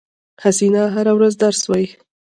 حسینه هره ورځ درس وایی